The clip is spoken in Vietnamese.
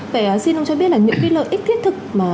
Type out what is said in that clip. vậy xin ông cho biết là những cái lợi ích thiết thực